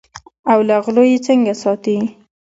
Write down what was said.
او له غلو یې څنګه ساتې.